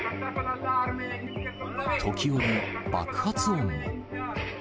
時折、爆発音も。